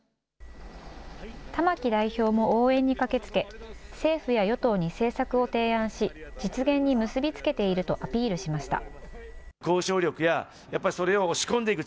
玉木代表も応援にかけつけ、政府や与党に政策を提案し実現に結びつけているとアピールしました。